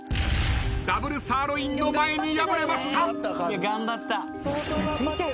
ダブルサーロインの前に敗れました。